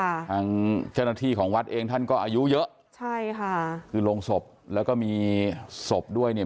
ทางเจ้าหน้าที่ของวัดเองท่านก็อายุเยอะใช่ค่ะคือโรงศพแล้วก็มีศพด้วยเนี่ย